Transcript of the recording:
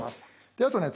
であとね